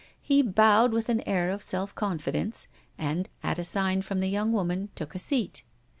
He bowed with an air of self confidence, and at a sign from the young woman took a seat.